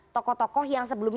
tokoh tokoh yang sebelum ini